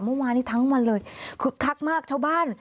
เมื่อวานนี้ทั้งวันเลยคึกคักมากชาวบ้าน